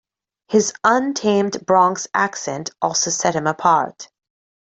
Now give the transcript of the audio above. His untamed Bronx accent also set him apart.